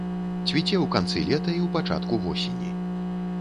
Цвіце ў канцы лета і ў пачатку восені.